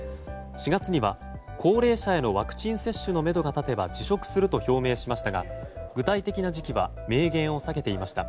４月には高齢者へのワクチン接種のめどが立てば辞職すると表明しましたが具体的な時期は明言を避けていました。